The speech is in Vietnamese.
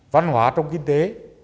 văn hóa trong kinh tế